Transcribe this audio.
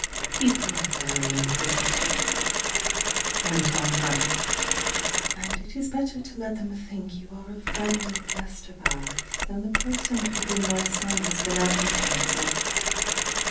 "People are very inquisitive," went on Madame. "And it is better to let them think you are a friend and guest of ours than the person for whom my son has been advertising.